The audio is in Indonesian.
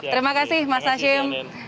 terima kasih mas hashim